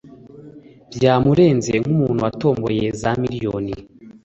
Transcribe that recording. byamurenze nkumuntu watomboye za millioni